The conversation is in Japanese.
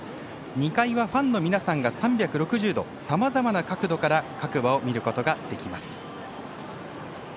２階はファンの皆さんが３６０度さまざまな角度から各馬を見ることができます。